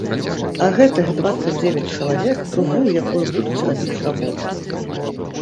А гэтых дваццаць дзевяць чалавек другую якую будуць рабіць работу.